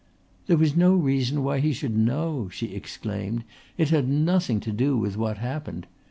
"There was no reason why he should know," she exclaimed. "It had nothing to do with what happened.